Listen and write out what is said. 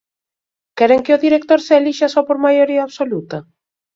¿Queren que o director se elixa só por maioría absoluta?